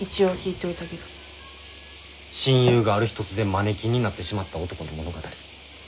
親友がある日突然マネキンになってしまった男の物語。